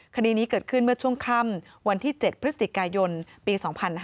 คดีนี้เกิดขึ้นเมื่อช่วงค่ำวันที่๗พฤศจิกายนปี๒๕๕๙